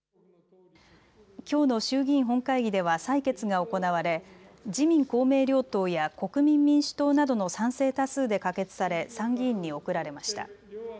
きょうの衆議院本会議では採決が行われ自民公明両党や国民民主党などの賛成多数で可決され参議院に送られました。